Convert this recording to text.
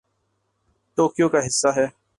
Tokyo کا حصہ ہے